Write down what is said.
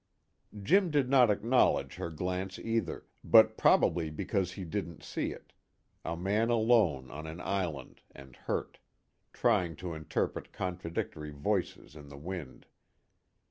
Jim did not acknowledge her glance either, but probably because he didn't see it, a man alone on an island and hurt, trying to interpret contradictory voices in the wind.